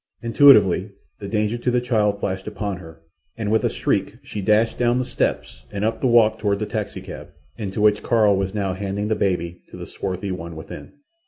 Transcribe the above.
Intuitively, the danger to the child flashed upon her, and with a shriek she dashed down the steps and up the walk toward the taxicab, into which Carl was now handing the baby to the swarthy one within.